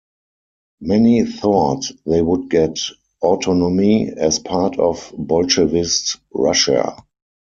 Many thought they would get autonomy as part of Bolshevist Russia.